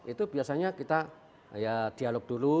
itu biasanya kita ya dialog dulu